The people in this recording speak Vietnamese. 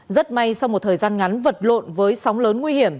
rất may sau một thời gian ngắn vật lộn với sóng lớn nguy hiểm